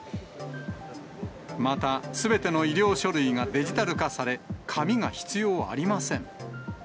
また、すべての医療書類がデジタル化され、紙が必要ありません。